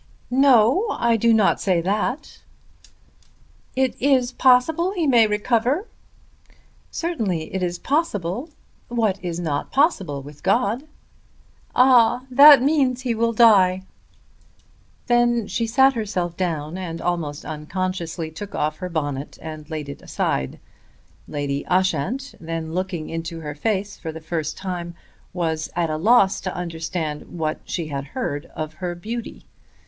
"No; I do not say that." "It is possible that he may recover?" "Certainly it is possible. What is not possible with God?" "Ah; that means that he will die." Then she sat herself down and almost unconsciously took off her bonnet and laid it aside. Lady Ushant, then looking into her face for the first time, was at a loss to understand what she had heard of her beauty.